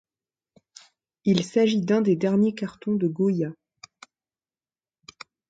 Il s'agit d'un des derniers cartons de Goya.